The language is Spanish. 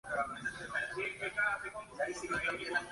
En la agricultura sobresalen los cultivos de algodón.